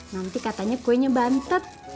nanti katanya kuenya bantet